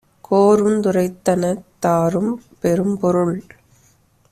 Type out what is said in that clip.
கோரும் துரைத்தனத் தாரும் பெரும்பொருள்